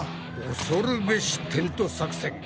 恐るべし「テント作戦」！